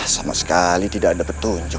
sama sekali tidak ada petunjuk